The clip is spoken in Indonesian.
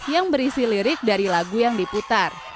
yang berisi lirik dari lagu yang diputar